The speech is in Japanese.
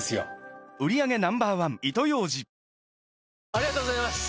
ありがとうございます！